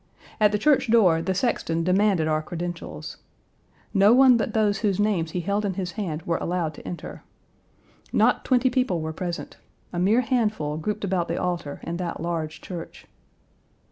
At the church door the sexton demanded our credentials. No one but those whose names he held in his hand were allowed to enter. Not twenty people were present a mere handful grouped about the altar in that large church.